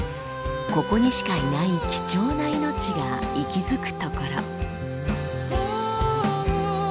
ここにしかいない貴重な命が息づくところ。